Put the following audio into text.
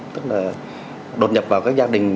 tức là đột nhập vào các gia đình